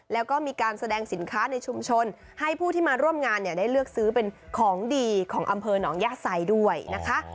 แล้วก็มีการแสดงสินค้าในชุมชนให้ผู้ที่มาร่วมงานเนี่ยได้เลือกซื้อเป็นของดีของอำเภอหนองย่าไซด้วยนะคะ